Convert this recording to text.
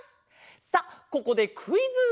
さあここでクイズ！